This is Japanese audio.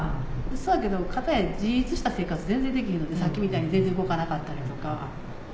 そやけど片や自立した生活全然できひんのでさっきみたいに全然動かなかったりとか。